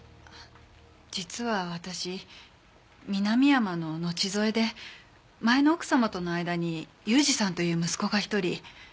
実は私南山の後添えで前の奥様との間に勇司さんという息子が１人。